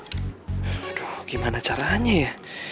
aduh gimana caranya ya